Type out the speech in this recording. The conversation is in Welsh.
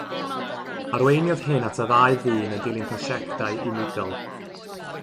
Arweiniodd hyn at y ddau ddyn yn dilyn prosiectau unigol.